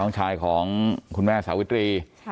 น้องชายของคุณแม่สาวิตรี